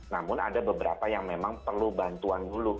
namun ada beberapa yang memang perlu bantuan dulu